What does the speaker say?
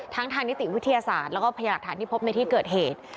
ทางนิติวิทยาศาสตร์แล้วก็พยาหลักฐานที่พบในที่เกิดเหตุ